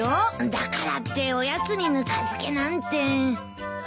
だからっておやつにぬか漬けなんて。